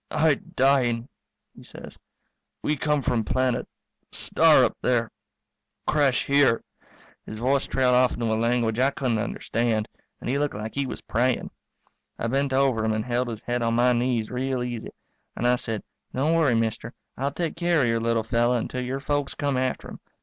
"I dying," he says. "We come from planet star up there crash here " His voice trailed off into a language I couldn't understand, and he looked like he was praying. I bent over him and held his head on my knees real easy, and I said, "Don't worry, mister, I'll take care of your little fellow until your folks come after him.